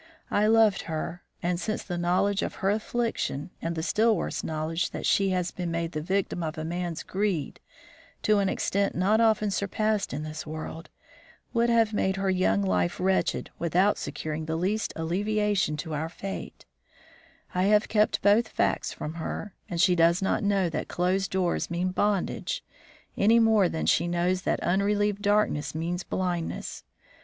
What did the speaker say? I loved her, and since the knowledge of her affliction, and the still worse knowledge that she had been made the victim of a man's greed to an extent not often surpassed in this world, would have made her young life wretched without securing the least alleviation to our fate, I have kept both facts from her, and she does not know that closed doors mean bondage any more than she knows that unrelieved darkness means blindness.